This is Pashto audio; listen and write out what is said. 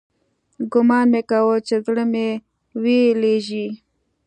ګومان مې كاوه چې زړه مې ويلېږي.